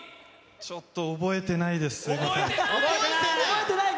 ちょっと覚えてないです、覚えてない。